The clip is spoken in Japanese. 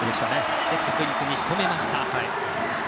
そして確実に仕留めました。